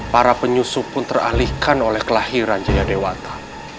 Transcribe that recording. para penyusup pun teralihkan oleh kelahiran jaya dewata